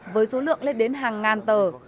với số lượng lên đến hàng ngàn tờ